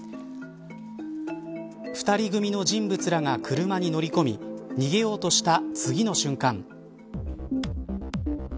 ２人組の人物らが車に乗り込み逃げようとした次の瞬間。